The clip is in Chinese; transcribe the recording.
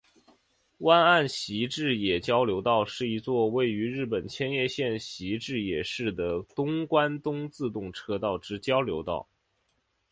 湾岸习志野交流道是一座位于日本千叶县习志野市的东关东自动车道之交流道。